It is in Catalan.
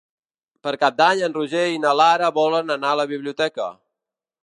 Per Cap d'Any en Roger i na Lara volen anar a la biblioteca.